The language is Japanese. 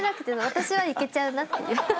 私はいけちゃうなって。